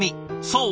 そう！